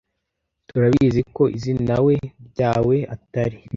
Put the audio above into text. Turabizi ko izinawe ryawe atari .